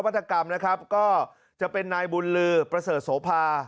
วิทยาศาสตร์วิจัยและนวัตกรรมนะครับก็จะเป็นนายบุญลือประเสริฐโสภา